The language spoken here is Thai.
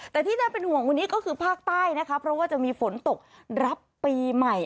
แต่ที่น่าเป็นห่วงวันนี้ก็คือภาคใต้นะคะเพราะว่าจะมีฝนตกรับปีใหม่